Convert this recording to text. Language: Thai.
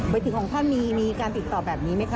ไปถึงของท่านมีการติดต่อแบบนี้ไหมคะ